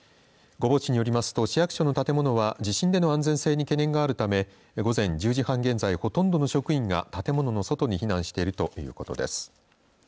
御坊市によりますと、市役所の建物は地震の安全性に懸念があるため午前１０時半現在ほとんどの職員が建物の外に避難しているということです。